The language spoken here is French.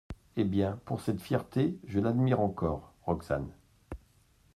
Eh bien, pour cette fierté, je l'admire encore ! ROXANE.